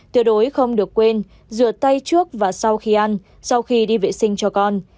tuyệt đối không được quên rửa tay trước và sau khi ăn sau khi đi vệ sinh cho con